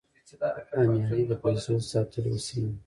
همیانۍ د پیسو د ساتلو وسیله ده